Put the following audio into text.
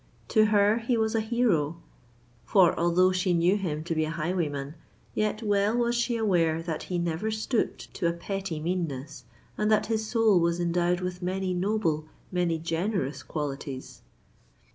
To her he was a hero; for, although she knew him to be a highwayman, yet well was she aware that he never stooped to a petty meanness, and that his soul was endowed with many noble—many generous qualities.